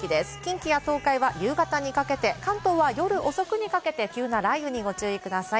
近畿や東海は夕方にかけて、関東は夜遅くにかけて、急な雷雨にご注意ください。